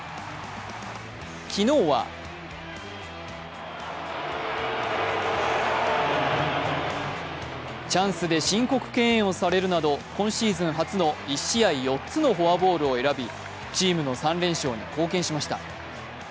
昨日はチャンスで申告敬遠をされるなど、今シーズン初の１試合４つのフォアボールを選びチームの３連勝に貢献しました。